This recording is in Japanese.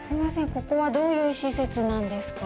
ここはどういう施設なんですか。